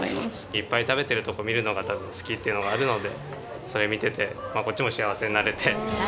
いっぱい食べてるとこ見るのが多分好きっていうのがあるのでそれ見ててまあこっちも幸せになれて。